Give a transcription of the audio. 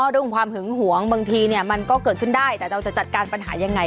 เรื่องความหึงหวงบางทีมันก็เกิดขึ้นได้แต่เราจะจัดการปัญหายังไง